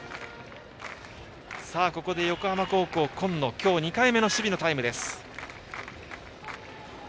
ここで横浜高校、今日２回目の守備のタイムです。